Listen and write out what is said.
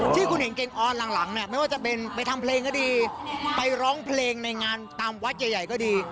ที่คุณเห็นแกงออนข์หลังเนี่ยไม่ว่าจะเป็นไปทำเพลงก็ดี